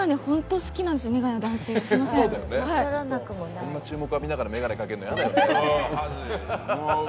こんな注目浴びながらメガネかけるのイヤだよね。